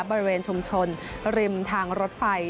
บริเวณชุมชนริมทางรถไฟ